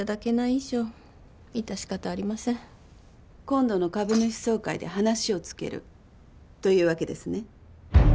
以上致し方ありません今度の株主総会で話をつけるというわけですね？